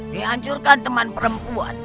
dihancurkan teman perempuan